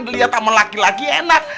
lihat sama laki laki enak